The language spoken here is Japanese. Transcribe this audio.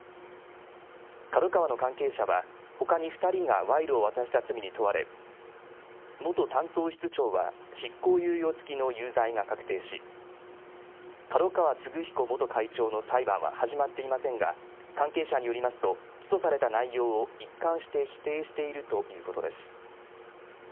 ＫＡＤＯＫＡＷＡの関係者は、ほかに２人が賄賂を渡した罪に問われ、元担当室長は、執行猶予付きの有罪が確定し、角川歴彦元会長の裁判は始まっていませんが、関係者によりますと、起訴された内容を一貫して否定しているということです。